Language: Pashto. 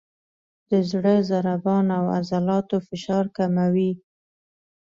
د زړه ضربان او عضلاتو فشار کموي،